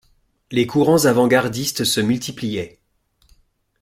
Les courants avant-gardistes se multipliaient.